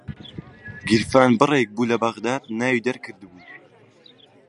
گیرفانبڕێک بوو لە بەغدادا ناوی دەرکردبوو